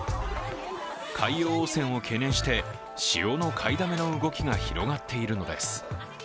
海洋汚染を懸念して、塩の買いだめの動きが広がっているのです。